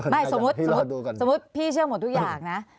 สมมุติสมมุติพี่เชื่อหมดทุกอย่างนะ